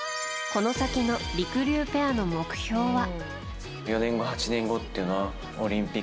この先のりくりゅうペアの目標は。